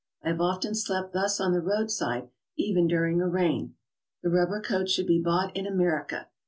I have often slept thus on the roadside, even during a rain. The rubber coat should be bought in America.